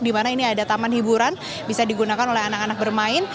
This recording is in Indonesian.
di mana ini ada taman hiburan bisa digunakan oleh anak anak bermain